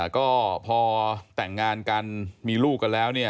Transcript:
ก็พอแต่งงานกันมีลูกกันแล้วเนี่ย